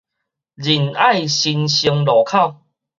仁愛新生路口